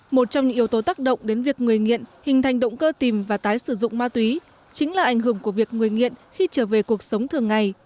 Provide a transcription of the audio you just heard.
một trong những yếu tố tác động đến việc người nghiện hình thành động cơ tìm và tái sử dụng ma túy chính là ảnh hưởng của việc người nghiện khi trở về cuộc sống thường ngày